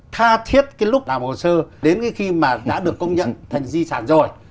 tha thiết cái lúc làm hồ sơ đến cái khi mà đã được công nhận thành di sản rồi